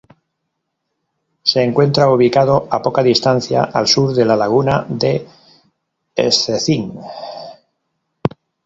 Se encuentra ubicado a poca distancia al sur de la laguna de Szczecin.